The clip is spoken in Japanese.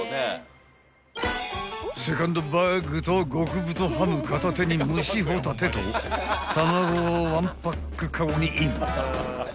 ［セカンドバッグと極太ハム片手に蒸しほたてと卵を１パックカゴにイン］